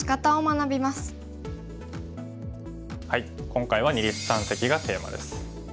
今回は二立三析がテーマです。